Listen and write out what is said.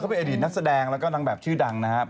เป็นอดีตนักแสดงแล้วก็นางแบบชื่อดังนะครับ